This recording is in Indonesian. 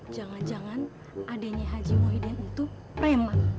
jangan jangan adenya haji muhyiddin itu prema